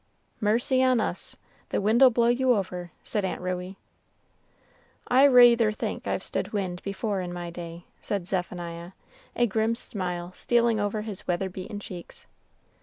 "Mercy on us; the wind'll blow you over!" said Aunt Ruey. "I rayther think I've stood wind before in my day," said Zephaniah, a grim smile stealing over his weather beaten cheeks.